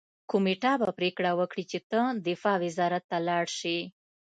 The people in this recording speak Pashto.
کمېټه به پریکړه وکړي چې ته دفاع وزارت ته لاړ شې